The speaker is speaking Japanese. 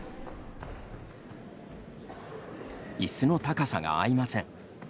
いすの高さが合いません。